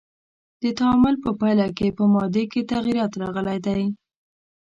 د تعامل په پایله کې په مادې کې تغیرات راغلی دی.